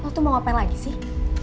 lo tuh mau ngapain lagi sih